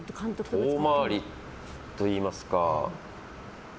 遠回りといいますか。